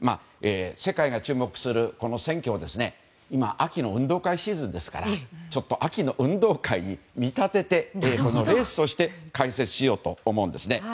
世界が注目するこの選挙を今、秋の運動会シーズンですから秋の運動会に見立ててレースをして解説しようと思うんですね。